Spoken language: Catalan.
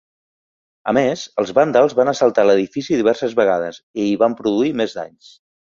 A més, els vàndals van assaltar l'edifici diverses vegades i hi van produir més danys.